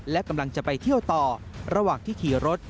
และกำลังจะไปเที่ยวต่อระหว่างที่ขี่รถ